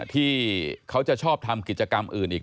ที่เขาจะชอบทำกิจกรรมอื่นอีก